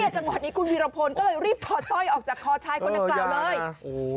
จังหวัดนี้คุณวิรพนธ์ก็เลยรีบถอดต้อยออกจากคอชายคนกลางเลย